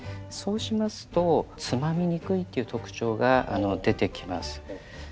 そうしますとつまみにくいという特徴が出てきます。